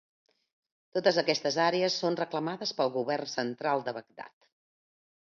Totes aquestes àrees són reclamades pel govern central de Bagdad.